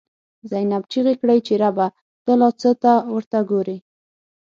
زینب ” چیغی کړی چی ربه، ته لا څه ته ورته ګوری”